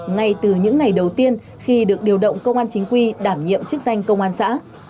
ngay từ những ngày đầu tiên khi được điều động công an chính quy đảm nhiệm chức danh công an xã